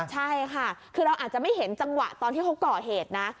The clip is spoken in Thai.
ใช่ค่ะคือเราอาจจะไม่เห็นจังหวะตอนที่เขาก่อเหตุนะ